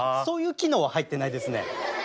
そういう機能は入ってないですね。